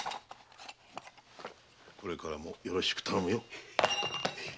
これからもよろしく頼むよ。